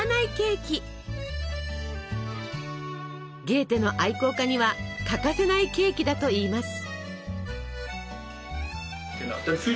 ゲーテの愛好家には欠かせないケーキだといいます。